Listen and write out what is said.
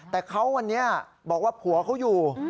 แต่เขาวันนี้บอกว่าผัวเขาอยู่